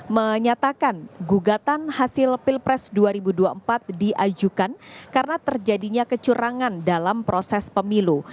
menyatakan gugatan hasil pilpres dua ribu dua puluh empat diajukan karena terjadinya kecurangan dalam proses pemilu